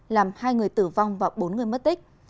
làm hai người tử vong và bốn người mất tích